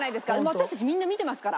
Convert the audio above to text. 私たちみんな見てますから。